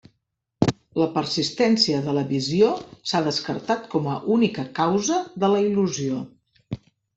La persistència de la visió s'ha descartat com a única causa de la il·lusió.